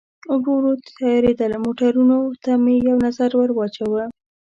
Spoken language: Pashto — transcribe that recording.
ورو ورو تیارېدل، موټرونو ته مې یو نظر ور واچاوه.